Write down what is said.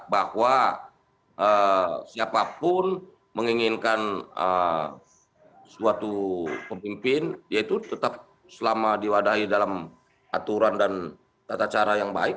bahwa siapapun menginginkan suatu pemimpin yaitu tetap selama diwadahi dalam aturan dan tata cara yang baik